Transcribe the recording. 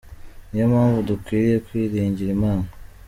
Ni yo mpamvu dukwiriye kwiringira Imana".